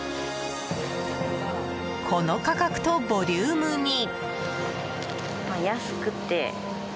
この価格とボリュームに。